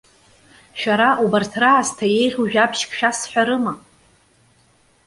Шәара, убарҭ раасҭа иеиӷьу жәабжьк шәасҳәарыма?